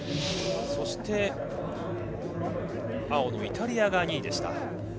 そして青のイタリアが２位でした。